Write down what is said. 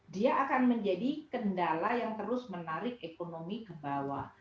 dia akan menjadi kendala yang terus menarik ekonomi ke bawah